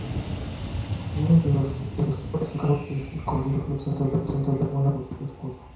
Uno de los símbolos característicos del Club Santos Laguna es su escudo.